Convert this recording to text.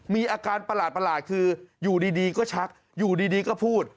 มีอาการประหลาดคืออยู่ดีก็ชักอยู่ดีก็พูด